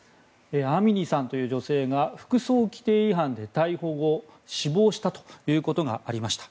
アミニさんという女性が服装規定違反で逮捕後死亡したということがありました。